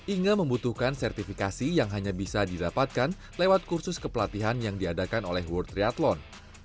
inge membutuhkan sertifikasi yang hanya bisa didapatkan lewat kursus kepelatihan yang diadakan oleh world triathlon